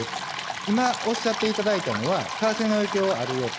今、おっしゃっていただいたのは、為替の影響はあるよと。